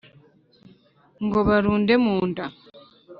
ngo barunde mu nda